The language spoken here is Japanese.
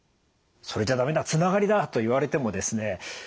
「それじゃ駄目だつながりだ」と言われてもですね